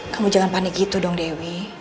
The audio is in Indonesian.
kamu jangan panik gitu dong dewi